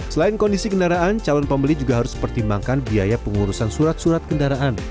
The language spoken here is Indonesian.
selain kondisi kendaraan calon pembeli juga harus pertimbangkan biaya pengurusan surat surat kendaraan